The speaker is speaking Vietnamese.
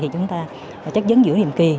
chúng ta chất dấn giữa nhiệm kỳ